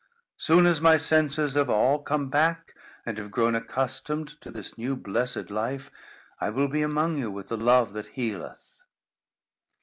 Soon as my senses have all come back, and have grown accustomed to this new blessed life, I will be among you with the love that healeth."